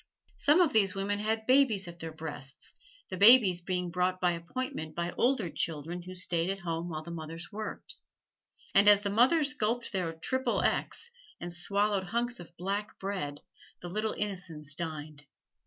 Some of these women had babies at their breasts, the babies being brought by appointment by older children who stayed at home while the mothers worked. And as the mothers gulped their Triple XXX, and swallowed hunks of black bread, the little innocents dined.